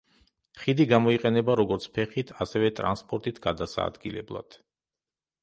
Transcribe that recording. ხიდი გამოიყენება როგორც ფეხით, ასევე ტრანსპორტით გადასაადგილებლად.